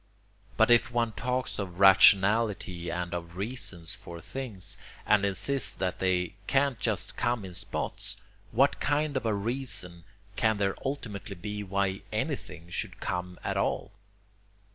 But if one talks of rationality and of reasons for things, and insists that they can't just come in spots, what KIND of a reason can there ultimately be why anything should come at all?